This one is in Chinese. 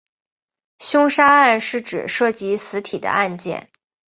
凶杀案是指涉及死体的案件。